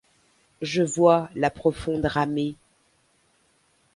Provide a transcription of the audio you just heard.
Je vois la profonde ramée